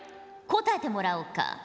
答えてもらおうか。